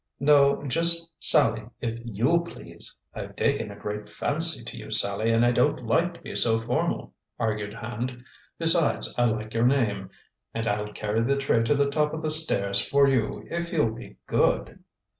"No, just Sallie, if you please! I've taken a great fancy to you, Sallie, and I don't like to be so formal," argued Hand. "Besides, I like your name; and I'll carry the tray to the top of the stairs for you, if you'll be good."